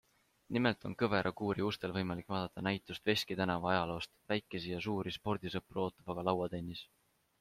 Nimelt on kõvera kuuri ustel võimalik vaadata näitust Veski tänava ajaloost, väikesi ja suuri spordisõpru ootab aga lauatennis.